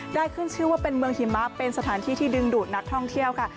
ขึ้นชื่อว่าเป็นเมืองหิมะเป็นสถานที่ที่ดึงดูดนักท่องเที่ยวค่ะ